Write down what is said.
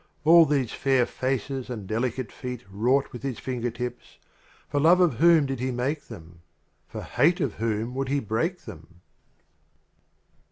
All these fair Faces and delicate Feet wrought with His Fingertips — For Love of whom did He make them? For Hate of whom would He break them?